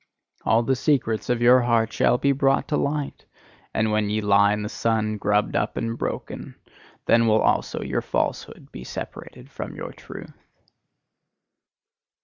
All the secrets of your heart shall be brought to light; and when ye lie in the sun, grubbed up and broken, then will also your falsehood be separated from your truth.